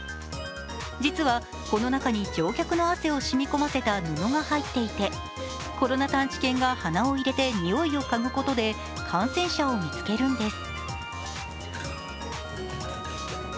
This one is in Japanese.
実はこの中に乗客の汗を染み込ませた布が入っていてコロナ探知犬が鼻を入れてにおいをかぐことで感染者を見つけるんです。